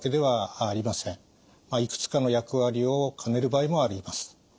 いくつかの役割を兼ねる場合もあります。